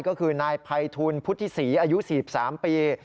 ก็คือนายภัยทูลพุทธิศรีอายุ๔๓ปี